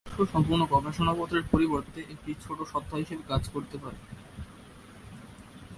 সারাংশ সম্পূর্ণ গবেষণাপত্রের পরিবর্তে একটি ছোট সত্তা হিসেবে কাজ করতে পারে।